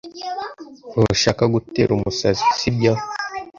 Ntushaka gutera umusazi, sibyo?